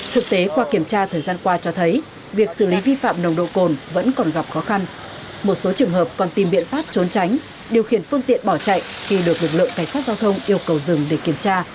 thực tế qua kiểm tra thời gian qua cho thấy việc xử lý vi phạm nồng độ cồn vẫn còn gặp khó khăn một số trường hợp còn tìm biện pháp trốn tránh điều khiển phương tiện bỏ chạy khi được lực lượng cảnh sát giao thông yêu cầu dừng để kiểm tra